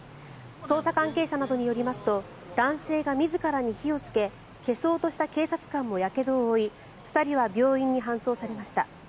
捜査関係者などによりますと男性が自らに火をつけ消そうとした警察官もやけどを負い２人は病院に搬送されました。